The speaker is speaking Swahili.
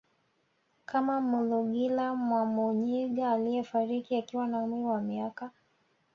kama Malugila Mwamuyinga aliyefariki akiwa na umri wa miaka